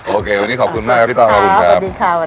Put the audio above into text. โอเควันนี้ขอบคุณมากครับพี่ต้อมขอบคุณครับสวัสดีค่ะ